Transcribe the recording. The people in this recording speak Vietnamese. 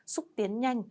xúc tiến nhanh